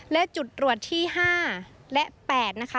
และจุดตรวจที่๕และ๘นะคะ